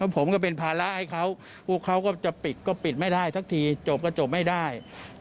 ผมก็เป็นภาระให้เขาพวกเขาก็จะปิดก็ปิดไม่ได้สักทีจบก็จบไม่ได้